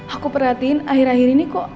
aku perhatiin akhir akhir ini kok